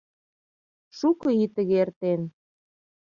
Шуко ий тыге эртен.